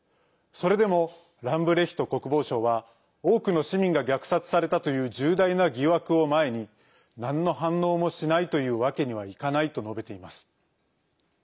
それでもランブレヒト国防相は多くの市民が虐殺されたという重大な疑惑を前に、なんの反応もしないというわけにはいかないと述べています。